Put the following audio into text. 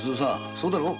そうだろう。